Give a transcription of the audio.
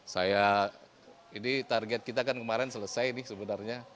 saya ini target kita kan kemarin selesai nih sebenarnya